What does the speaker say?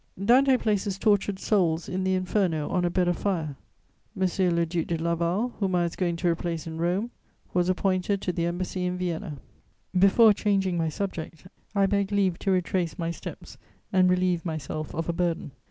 Dante places tortured souls, in the Inferno, on a bed of fire. M. le Duc de Laval, whom I was going to replace in Rome, was appointed to the Embassy in Vienna. Before changing my subject, I beg leave to retrace my steps and relieve myself of a burden.